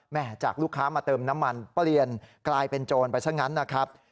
จากลูกค้ามาเติมน้ำมันเปลี่ยนกลายเป็นโจรไปซะงั้นนะครับ